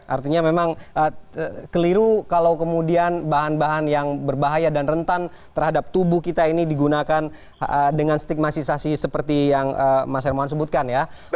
artinya memang keliru kalau kemudian bahan bahan yang berbahaya dan rentan terhadap tubuh kita ini digunakan dengan stigmatisasi seperti yang mas hermawan sebutkan ya